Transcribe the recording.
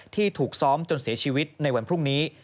ที่ถูกซ้อมจนเสียชีวิตในวันพรุ่งนี้